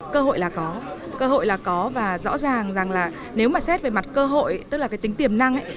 cơ hội là có cơ hội là có và rõ ràng rằng là nếu mà xét về mặt cơ hội tức là cái tính tiềm năng